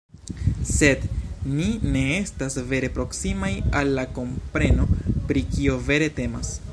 Sed ni ne estas vere proksimaj al la kompreno pri kio vere temas”.